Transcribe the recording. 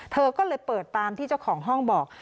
เธอก็เลยเปิดตามที่เจ้าของห้องบอก